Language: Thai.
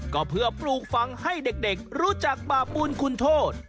ก็เพื่อปลูกฝังให้เด็กรู้จักบาปบุญคุณโทษ